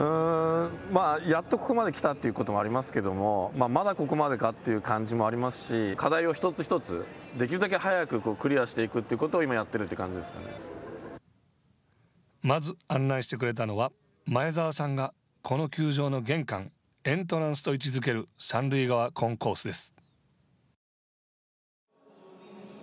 やっとここまで来たということもありますけども、まだここまでかという感じもありますし課題を一つ一つ、できるだけ早くクリアしていくということを今、まず案内してくれたのは、前沢さんがこの球場の玄関、エントランスと位置づける、三塁側コンコースです。